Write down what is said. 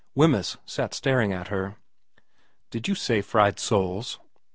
Wemyss sat staring at her. ' Did you say fried soles